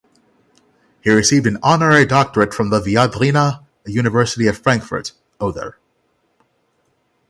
He received an honorary doctorate from the Viadrina University of Frankfurt (Oder).